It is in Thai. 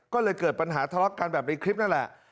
ก็เลยเกิดปัญหาทะเลาะกันแบบในคลิปนั่นแหละ